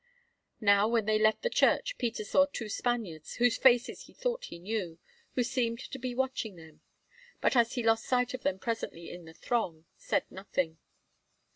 Now, when they left the church, Peter saw two Spaniards, whose faces he thought he knew, who seemed to be watching them, but, as he lost sight of them presently in the throng, said nothing.